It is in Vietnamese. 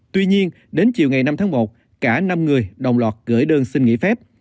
tuy nhiên đến chiều ngày năm tháng một cả năm người đồng loạt gửi đơn xin nghỉ phép